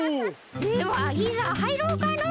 ではいざ入ろうかのう！